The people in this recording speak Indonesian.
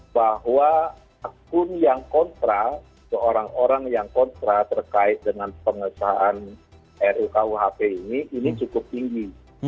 bahwa akun yang kontra ke orang orang yang kontra terkait dengan pengesahan rukuhp ini ini cukup tinggi